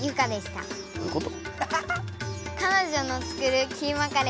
どういうこと？